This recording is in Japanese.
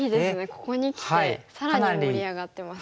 ここにきて更に盛り上がってますね。